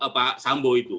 pak sambo itu